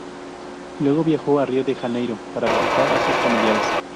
Luego viajó a Río de Janeiro, para visitar a sus familiares.